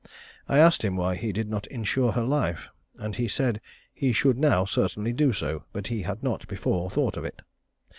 I asked him why he did not insure her life, and he said he should now certainly do so, but had not before thought of it.